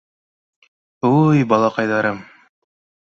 — Уй-й, балаҡайҙарым.